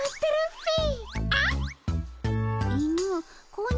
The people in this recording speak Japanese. ピィ。